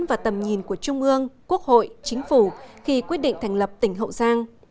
và tầm nhìn của trung ương quốc hội chính phủ khi quyết định thành lập tỉnh hậu giang